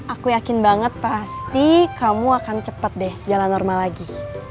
aku yakin banget pasti kamu akan cepat deh jalan normal lagi